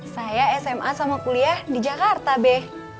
saya sma sama kuliah di jakarta be